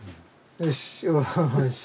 よし。